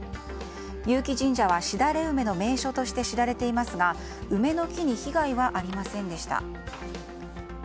結城神社はシダレウメの名所として知られていますが梅の木に被害はありませんでした。